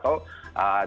jualan untuk keberadaan